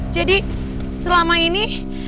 jadi selama ini